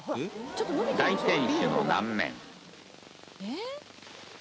大天守の南面。